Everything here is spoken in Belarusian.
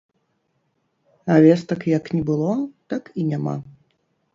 А вестак як не было, так і няма.